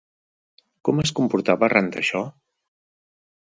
Com es comportava arran d'això?